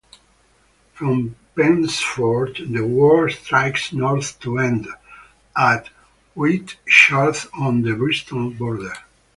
From "Pensford" the ward strikes north to end at Whitchurch on the Bristol border.